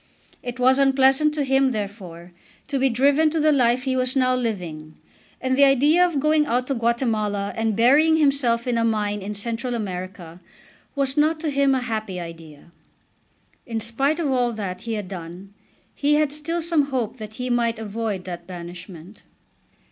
It was unpleasant to him, therefore, to be driven to the life he was now living. And the idea of going out to Guatemala and burying himself in a mine in Central America was not to him a happy idea. In spite of all that he had done he had still some hope that he might avoid that banishment.